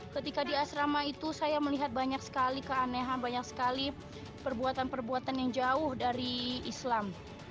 ketika di asrama itu saya melihat banyak sekali keanehan banyak sekali perbuatan perbuatan yang jauh dari islam